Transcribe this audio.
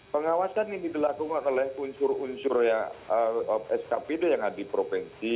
pengawasan yang dilakukan oleh unsur unsur skpd yang ada di provinsi